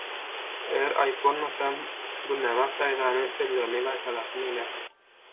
Eger aýyp bolmasa, Gülnabat daýzanyň sözlerini gaýtalasym gelýär